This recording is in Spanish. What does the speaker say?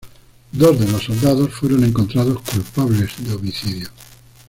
Dos de los soldados fueron encontrados culpables de homicidio.